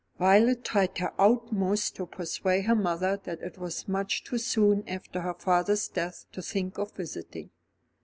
Violet tried her utmost to persuade her mother that it was much too soon after her father's death to think of visiting.